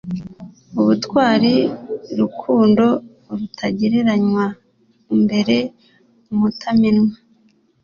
ubutwari, rukundo rutagereranywa, umbere umutamenwa